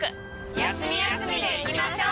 休み休みでいきましょう。